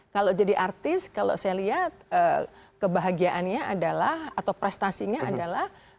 kalau jadi artis kalau saya lihat kebahagiaannya adalah atau prestasinya adalah